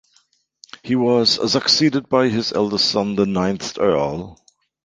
He was succeeded by his eldest son, the ninth Earl.